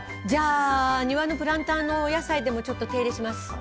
じゃあ庭のプランターのお野菜でもちょっと手入れします。